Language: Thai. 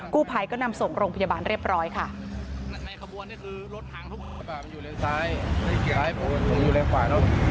คู่ภัยก็นำส่งโรงพยาบาลเรียบร้อยค่ะในขบวนเนี้ยคือรถทางทุกคน